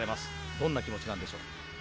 どんな気持ちなんでしょう。